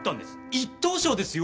１等賞ですよ。